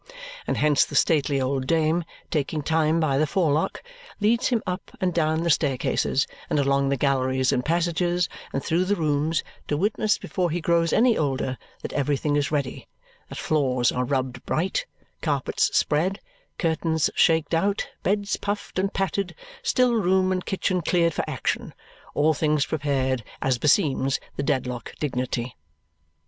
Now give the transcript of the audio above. And hence the stately old dame, taking Time by the forelock, leads him up and down the staircases, and along the galleries and passages, and through the rooms, to witness before he grows any older that everything is ready, that floors are rubbed bright, carpets spread, curtains shaken out, beds puffed and patted, still room and kitchen cleared for action all things prepared as beseems the Dedlock dignity.